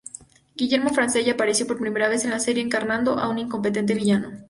Guillermo Francella, apareció por primera vez en la serie encarnando a un incompetente villano.